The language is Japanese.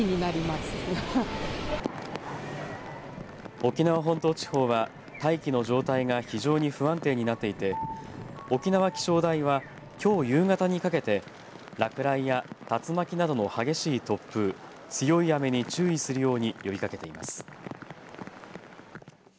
沖縄本島地方は大気の状態が非常に不安定になっていて沖縄気象台はきょう夕方にかけて落雷や竜巻などの激しい突風強い雨に注意するように呼びかけています。